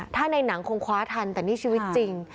ถ้าในหนังคงคว้าทันแต่นี่ชีวิตจริง